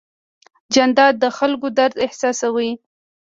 جانداد د خلکو درد احساسوي.